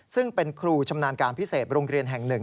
ซึ่งเป็นครูชำนาญการพิเศษโรงเรียนแห่งหนึ่ง